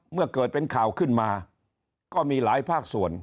เมื่อเกิดเป็นข่าวขึ้นมาก็มีหลายภาคส่วน